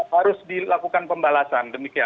harus dilakukan pembalasan demikian